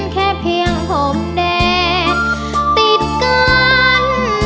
แค่เพียงห่มแดงติดกัน